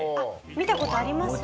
見た事あります？